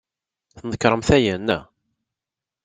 Tnekṛemt aya, naɣ?